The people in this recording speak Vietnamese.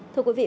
thưa quý vị